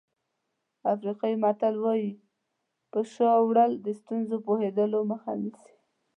افریقایي متل وایي په شا وړل د ستونزو پوهېدلو مخه نیسي.